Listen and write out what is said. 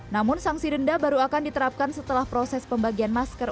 namun sanksi denda baru akan diterapkan setelah proses pembagian masker